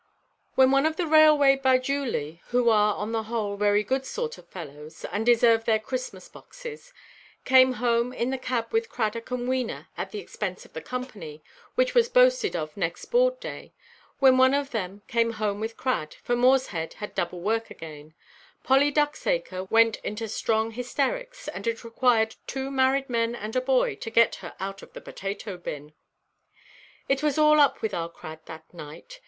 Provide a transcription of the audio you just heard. When one of the railway bajuli—who are, on the whole, very good sort of fellows, and deserve their Christmas–boxes—came home in the cab with Cradock and Wena at the expense of the Company (which was boasted of next board–day)—when one of them came home with Crad—for Morshead had double work again—Polly Ducksacre went into strong hysterics, and it required two married men and a boy to get her out of the potato–bin. It was all up with our Crad that night.